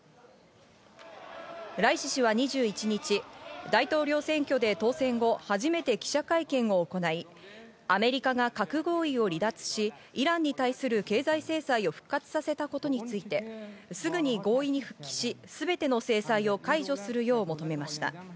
ライシ師は２１日、大統領選挙で当選後、初めて記者会見を行い、アメリカが核合意を離脱し、イランに対する経済制裁を復活させたことについて、すぐに合意に復帰しすべての制裁を解除するよう求めました。